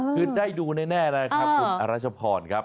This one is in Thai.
คือได้ดูแน่นะครับคุณราชพร